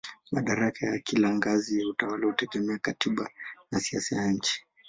Madaraka ya kila ngazi ya utawala hutegemea katiba na siasa ya nchi.